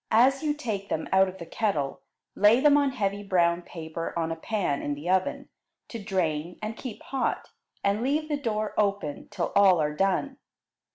As you take them out of the kettle, lay them on heavy brown paper on a pan in the oven, to drain and keep hot, and leave the door open till all are done.